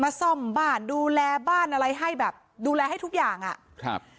ซ่อมบ้านดูแลบ้านอะไรให้แบบดูแลให้ทุกอย่างอ่ะครับ